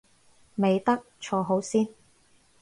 未得，坐好先